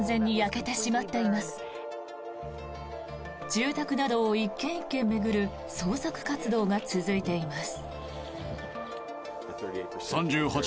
住宅などを１軒１軒巡る捜索活動が続いています。